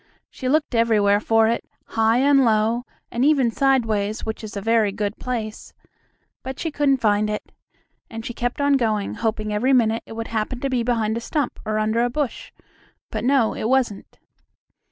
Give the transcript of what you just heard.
She looked everywhere for it, high and low, and even sideways, which is a very good place; but she couldn't find it. And she kept on going, hoping every minute it would happen to be behind a stump or under a bush. But no, it wasn't.